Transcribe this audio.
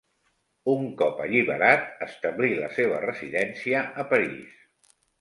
Un cop alliberat, establí la seva residència a París.